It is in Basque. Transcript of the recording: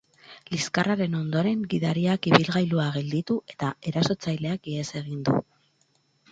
Liskarraren ondoren, gidariak ibilgailua gelditu, eta erasotzaileak ihes egin du.